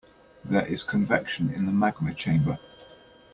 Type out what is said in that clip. There is convection in the magma chamber.